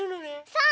そう！